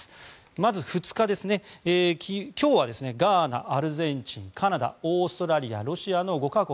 まず２日、今日はガーナ、アルゼンチンカナダ、オーストラリアロシアの５か国。